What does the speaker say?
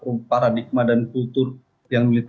upaya mengubah pola paradigma dan kultur yang militer